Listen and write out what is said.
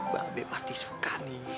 baabeh mati enggak suka nih